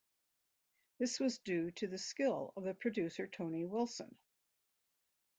This was due to the skill of the producer Tony Wilson.